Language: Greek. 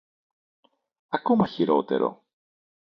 Ακόμα χειρότερο